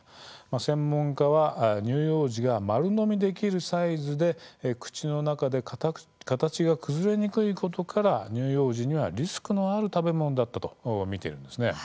専門家は乳幼児が丸飲みできるサイズで口の中で形が崩れにくいことから乳幼児にはリスクのある食べ物だったとみているんです。